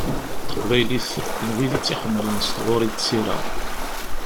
Taqbaylit n wid i tt-ḥemmlen s tɣuri d tira.